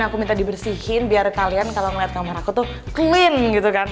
aku minta dibersihin biar kalian kalau ngeliat kamar aku tuh clean gitu kan